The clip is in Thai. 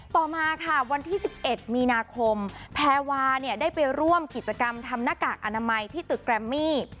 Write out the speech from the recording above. ต่อมาค่ะวันที่๑๑มีนาคมแพรวาเนี่ยได้ไปร่วมกิจกรรมทำหน้ากากอนามัยที่ตึกแรมมี่